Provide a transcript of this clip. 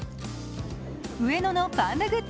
上野のパンダグッズ